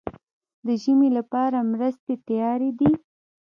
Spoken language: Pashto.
د ژمي لپاره مرستې تیارې دي؟